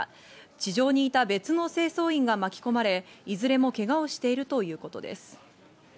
地上にいた別の清掃員が巻き込まれ、いずれもけがをしているということです。